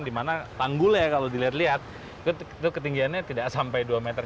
di mana tanggulnya kalau dilihat lihat itu ketinggiannya tidak sampai dua meter